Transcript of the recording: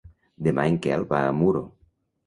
Demà en Quel va a Muro.